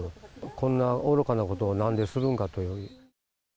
こんなおろかなことをなんでするんかと。